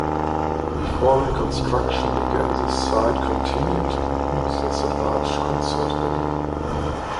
Before reconstruction began, the site continued to be used as a large concert venue.